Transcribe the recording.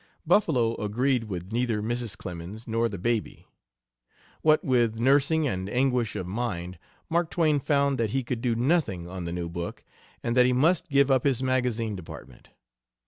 Buffalo agreed with neither Mrs. Clemens nor the baby. What with nursing and anguish of mind, Mark Twain found that he could do nothing on the new book, and that he must give up his magazine department.